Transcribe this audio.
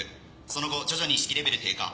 その後徐々に意識レベル低下。